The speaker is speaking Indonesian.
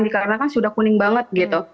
dikarenakan sudah kuning banget gitu